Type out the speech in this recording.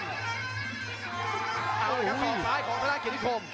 เอาละครับศอกซ้ายของธนาเกียรติคม